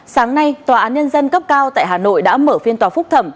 sáng nay tòa án nhân dân cấp cao tại hà nội đã mở phiên tòa phúc thẩm